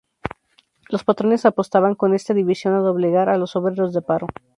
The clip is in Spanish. Los patrones apostaban con esta división a doblegar a los obreros de paro.